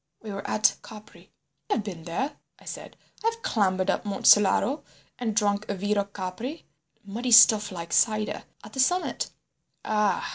We were at Capri—" "I have been there," I said. "I have clambered up Monte Solaro and drunk vero Capri—muddy stuff like cider—at the summit." "Ah!"